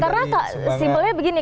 karena simpelnya begini